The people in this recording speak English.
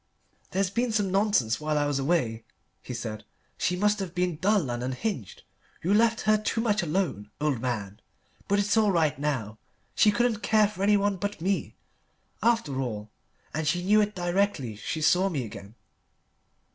"There's been some nonsense while I was away," he said; "she must have been dull and unhinged you left her too much alone, old man. But it's all right now. She couldn't care for anyone but me, after all, and she knew it directly she saw me again.